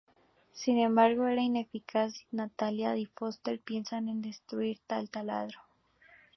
Sin embargo era ineficaz y Natalia y Foster piensan en destruir el taladro.